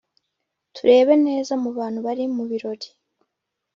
turebe neza mubantu bari mubirori